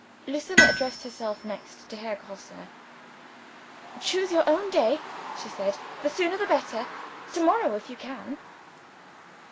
Lucilla addressed herself next to Herr Grosse. "Choose your own day," she said. "The sooner, the better. To morrow, if you can."